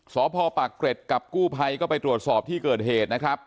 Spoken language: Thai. สพปากเกร็ดกับกู้ภัยก็ไปตรวจสอบที่เกิดเหตุนะครับ